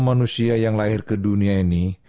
manusia yang lahir ke dunia ini